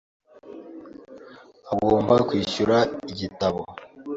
Agomba kwishyura igitabo .